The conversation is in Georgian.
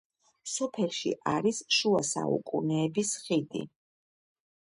სოფელში არის შუა საუკუნეების ხიდი.